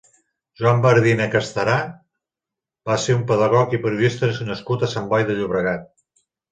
Joan Bardina i Castarà va ser un pedagog i periodista nascut a Sant Boi de Llobregat.